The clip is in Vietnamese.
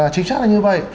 chính xác là như vậy